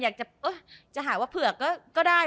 อยากจะหาว่าเผื่อก็ได้